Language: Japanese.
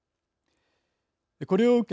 これを受け